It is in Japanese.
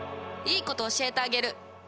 いいこと教えてあげる。